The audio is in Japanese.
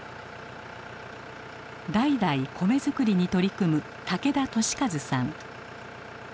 代々米作りに取り組む武田利和さん。